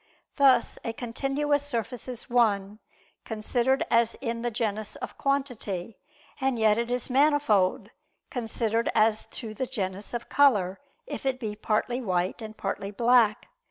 Thus a continuous surface is one, considered as in the genus of quantity; and yet it is manifold, considered as to the genus of color, if it be partly white, and partly black.